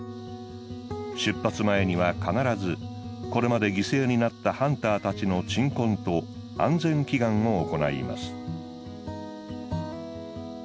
出発前には必ずこれまで犠牲になったハンターたちの鎮魂と安全祈願を行います。